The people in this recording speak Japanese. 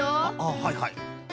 はいはい。